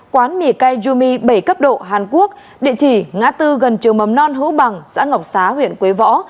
hai quán mì cay yumi bảy cấp độ hàn quốc địa chỉ nga tư gần trường mầm non hữu bằng xã ngọc xá huyện quế võ